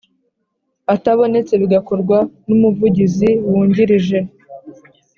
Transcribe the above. Atabonetse Bigakorwa N Umuvugizi Wungirije